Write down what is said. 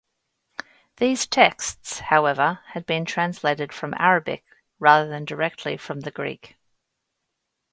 These texts, however, had been translated from Arabic, rather than directly from the Greek.